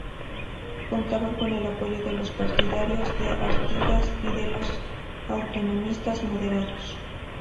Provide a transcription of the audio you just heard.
Contaba con el apoyo de los partidarios de Artigas y de los autonomistas moderados.